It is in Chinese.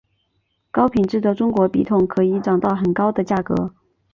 高品质的中国笔筒可以涨到很高的价格。